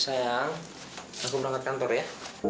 sayang aku mau berangkat kantor ya